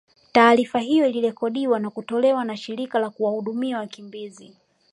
taarifa hiyo iirekodiwa na kutolewa na shirika la kuwahudumia wakimbizi